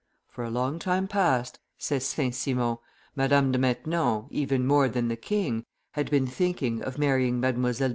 "For a long time past," says St. Simon, "Madame de Maintenon, even more than the king, had been thinking of marrying Mdlle.